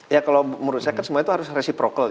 ya kalau menurut saya kan semua itu harus resiprocal